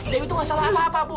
dewi tuh nggak salah apa apa bu